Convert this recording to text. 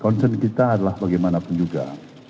concern kita adalah bagaimanapun juga